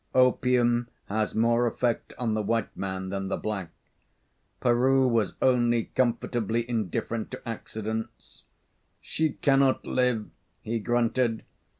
Opium has more effect on the white man than the black. Peroo was only comfortably indifferent to accidents. "She cannot live," he grunted.